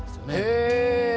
へえ。